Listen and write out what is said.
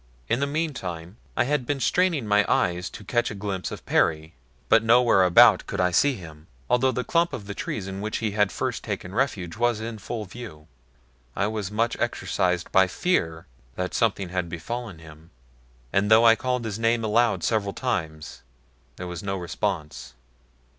In the meantime I had been straining my eyes to catch a glimpse of Perry, but nowhere about could I see him, although the clump of trees in which he had first taken refuge was in full view. I was much exercised by fear that something had befallen him, and though I called his name aloud several times there was no response.